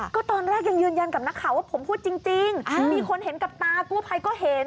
ก็ตอนแรกยังยืนยันกับนักข่าวว่าผมพูดจริงมีคนเห็นกับตากู้ภัยก็เห็น